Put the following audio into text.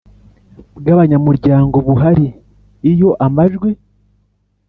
bw abanyamuryango buhari Iyo amajwi